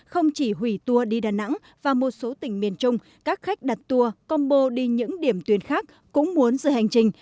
không chỉ hủy tour đi đà nẵng và một số tỉnh miền trung các khách đặt tour combo đi những điểm tuyến khác cũng muốn dựa hành trình